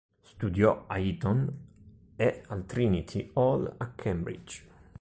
Studiò a Eton e al Trinity Hall, a Cambridge.